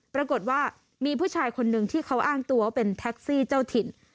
ปรากฏว่ามีผู้ชายคนหนึ่งที่เขาอ้างตัวว่าเป็นแท็กซี่เจ้าถิ่น